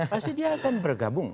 pasti dia akan bergabung